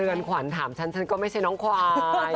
เรือนขวัญถามฉันฉันก็ไม่ใช่น้องควาย